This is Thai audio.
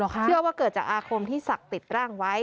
เชื่อว่าเกิดจากอาคมที่ศักดิ์ติดร่างไว้